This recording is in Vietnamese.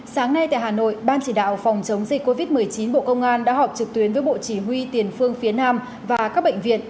sáng nay tại hà nội ban chỉ đạo phòng chống dịch covid một mươi chín bộ công an đã họp trực tuyến với bộ chỉ huy tiền phương phía nam và các bệnh viện